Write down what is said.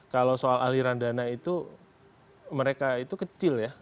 kalau soal aliran dana itu mereka itu kecil ya